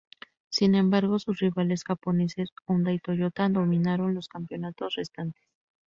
Sin embargo, sus rivales japoneses Honda y Toyota dominaron los campeonatos restantes.